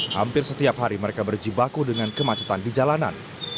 hampir setiap hari mereka berjibaku dengan kemacetan di jalanan